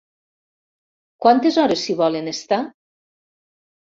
¿quantes hores s'hi volen estar?